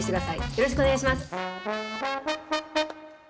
よろしくお願いします！